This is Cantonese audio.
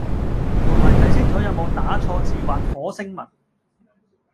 同埋睇清楚有冇打錯字或火星文